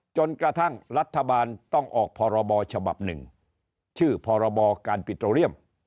จนกระทั่งรัฐบาลต้องออกพรบฉบับหนึ่งชื่อพรบการปิโตเรียม